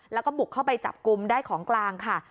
แล้วก็บุกเข้าไปจับกลุ่มได้ของกลางค่ะ